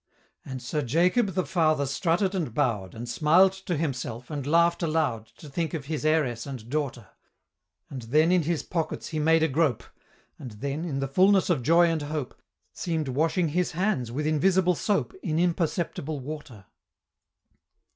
And Sir Jacob the Father strutted and bow'd, And smiled to himself, and laugh'd aloud, To think of his heiress and daughter And then in his pockets he made a grope, And then, in the fulness of joy and hope, Seem'd washing his hands with invisible soap In imperceptible water.